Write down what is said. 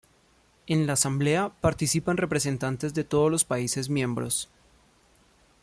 En la Asamblea participan representantes de todos los países miembros.